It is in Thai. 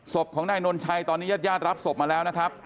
ศพของนายนนชัยตอนนี้ญาติญาติรับศพมาแล้วนะครับ